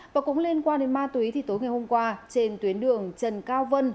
và cũng liên quan đến ma túy thì tối ngày hôm qua trên tuyến đường trần cao vân